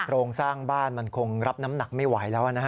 โรงสร้างบ้านมันคงรับน้ำหนักไม่ไหวแล้วนะฮะ